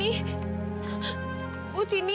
apa juga ini